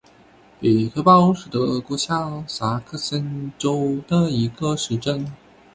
比克堡是德国下萨克森州的一个市镇。